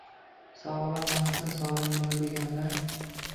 Sog‘lom onadan sog‘lom bola, deganlar